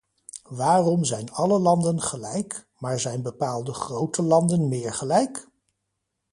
Waarom zijn alle landen gelijk, maar zijn bepaalde grote landen meer gelijk?